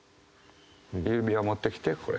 指輪持ってきてこれ。